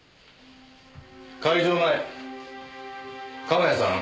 開場前鎌谷さん